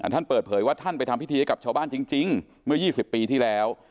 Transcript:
ท่านเปิดเผยว่าท่านไปทำพิธีให้กับชาวบ้านจริงเมื่อ๒๐ปีที่แล้ว